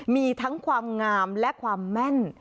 มีทั้งความงามและความแม่น